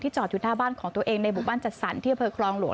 จอดอยู่หน้าบ้านของตัวเองในหมู่บ้านจัดสรรที่อำเภอครองหลวง